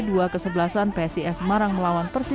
dua kesebelasan psis semarang melawan persib